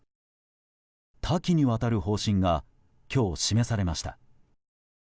多岐にわたる方針が今日、示されました。